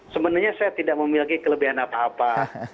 sebenarnya saya tidak memiliki kelebihan apa apa